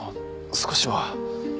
少しは。